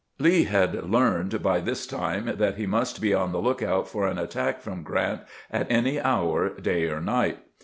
Lee had learned.by this time that he must be on the lookout for an attack from Grant at any hour, day or night.